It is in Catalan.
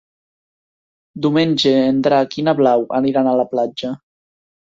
Diumenge en Drac i na Blau aniran a la platja.